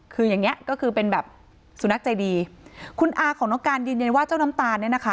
คืออย่างเงี้ยก็คือเป็นแบบสุนัขใจดีคุณอาของน้องการยืนยันว่าเจ้าน้ำตาลเนี่ยนะคะ